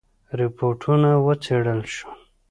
رپوټونه وڅېړل شول.